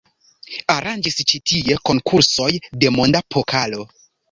Aranĝis ĉi tie konkursoj de monda pokalo.